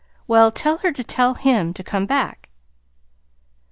Well, tell her to tell him to come back."